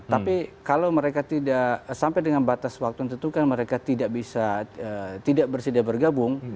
tapi kalau mereka tidak sampai dengan batas waktu yang tentukan mereka tidak bisa tidak bersedia bergabung